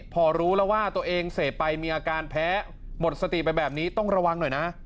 พอรู้แล้วว่าตัวเองเสพไปมีอาการแพ้หมดสติไปแบบนี้ต้องระวังหน่อยนะ